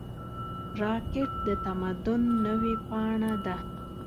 راکټ د تمدن نوې پاڼه ده